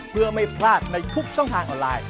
เพื่อไม่พลาดในทุกช่องทางออนไลน์